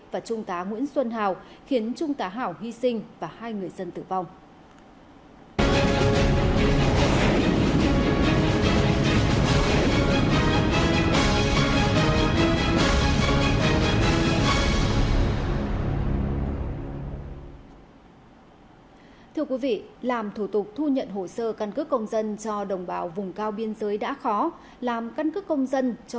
và trung tá nguyễn xuân hào khiến trung tá hảo hy sinh và hai người dân tử vong